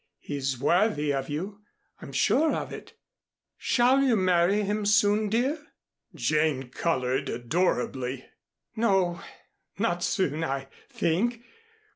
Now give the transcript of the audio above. He's worthy of you. I'm sure of it. Shall you marry him soon, dear?" Jane colored adorably. "No not soon, I think.